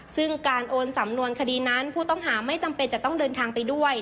ซึ่งการโอนสำนวนคดีนั้นผู้ต้องหาไม่จำเป็นจะต้องเดินทางไปด้วย